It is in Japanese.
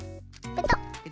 ペトッ。